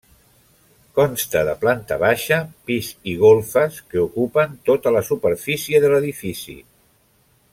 Consta de planta baixa, pis i golfes que ocupen tota la superfície de l'edifici.